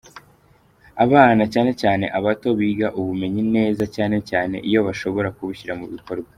Abana, cyane cyane abato, biga ubumenyi neza cyane cyane iyo bashobora kubushyira mu bikorwa.